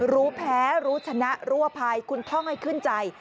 รู้แพ้รู้ชนะรั่วภัยคุณท่องให้ขึ้นใจ